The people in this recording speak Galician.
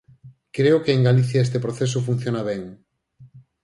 Creo que en Galicia este proceso funciona ben.